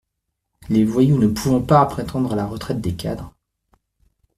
les voyous ne pouvant pas prétendre à la retraite des cadres.